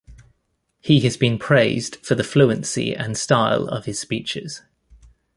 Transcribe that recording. He has been praised for the fluency and style of his speeches.